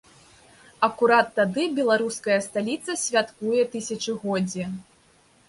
Акурат тады беларуская сталіца святкуе тысячагоддзе.